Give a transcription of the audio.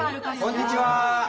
こんにちは！